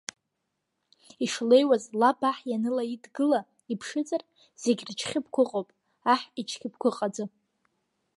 Ишлеиуаз, лаб аҳ ианылаидгыла, иԥшызар, зегь рычхьыԥқәа ыҟоуп, аҳ ичқьыԥқәа ыҟаӡам!